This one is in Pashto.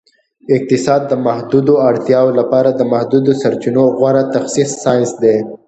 اقتصاد د محدودو اړتیاوو لپاره د محدودو سرچینو غوره تخصیص ساینس دی